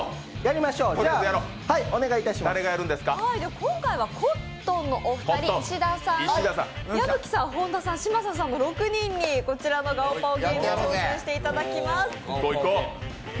今回はコットンのお二人、矢吹さん、本田さん、嶋佐さんの６人にこちらの「ガオパオゲーム」に挑戦していただきます。